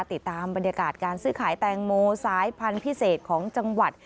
ติดตามบรรยากาศการซื้อขายแตงโมสายพันธุ์พิเศษของจังหวัด